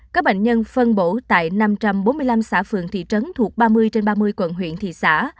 các bệnh nhân phân bổ tại năm trăm bốn mươi năm xã phường thị trấn thuộc ba mươi trên ba mươi quận huyện thị xã